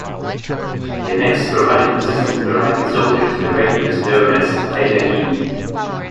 They met sporadic resistance from Iraqi soldiers and irregulars known as Fedayeen.